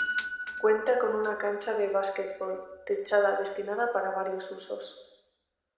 Cuenta con una cancha de basquetbol techada destinada para varios usos.